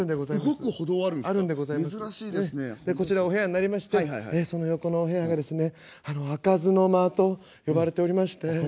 「こちらお部屋になりましてその横のお部屋がですね開かずの間と呼ばれておりまして」。